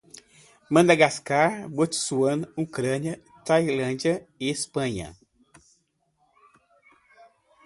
Madagáscar, Botswana, Ucrânia, Iêmen, Tailândia, Espanha